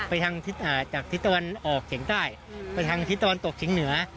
ไปทางจากทิศตะวันออกเฉียงใต้ไปทางทิศตะวันตกเฉียงเหนือ